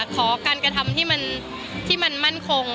ขอการกระทำที่มันมั่นคง